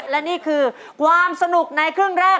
และนี่คือความสนุกในครึ่งแรก